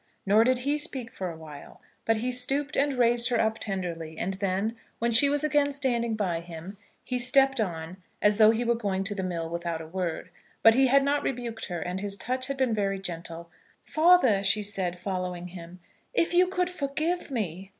Nor did he speak for awhile; but he stooped and raised her up tenderly; and then, when she was again standing by him, he stepped on as though he were going to the mill without a word. But he had not rebuked her, and his touch had been very gentle. "Father," she said, following him, "if you could forgive me!